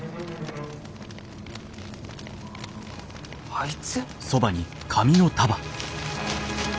あいつ。